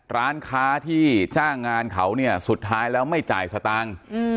ร้านค้าที่จ้างงานเค้าสุดท้ายไม่จ่ายสะตัง